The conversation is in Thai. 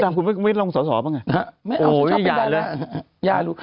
คุณประดับคุณไม่ลองสอสอปะไงไม่เอาโอ้ยอย่าเลยอย่ารู้